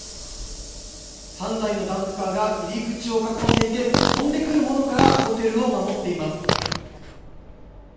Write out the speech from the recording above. ３台のダンプカーが入り口を囲んでいて飛んでくるものからホテルを守っています。